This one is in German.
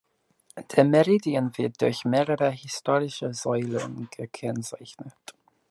Der Meridian wird durch mehrere historische Säulen gekennzeichnet.